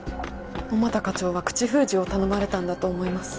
小俣課長は口封じを頼まれたんだと思います。